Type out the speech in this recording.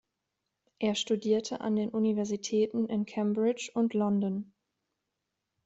Er studierte an den Universitäten in Cambridge und London.